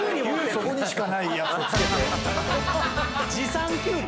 そこにしかないやつをつけて持参きゅうり？